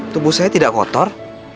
tubuh saya tidak kotor